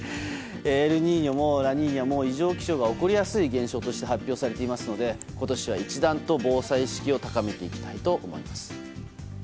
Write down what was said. エルニーニョもラニーニャも異常気象が起こりやすい現象として発表されていますので今年は一段と防災意識を高めていきたいと思います。